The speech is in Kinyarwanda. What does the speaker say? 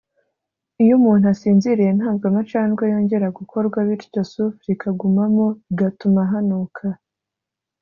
iyo umuntu asinziriye ntabwo amacandwe yongera gukorwa bityo soufre ikagumamo igatuma hanuka